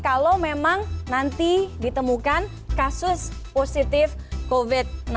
kalau memang nanti ditemukan kasus positif covid sembilan belas